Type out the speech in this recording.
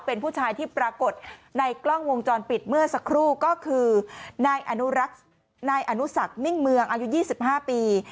เป็นผู้ชายที่ปรากฏในกล้องวงจรปิดเมื่อสักครู่ก็คือนายอนุสักมิ่งเมืองอายุ๒๕ปี